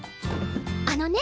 あのね。